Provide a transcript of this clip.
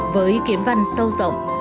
với kiếm văn sâu rộng